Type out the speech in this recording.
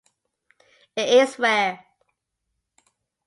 It is rare.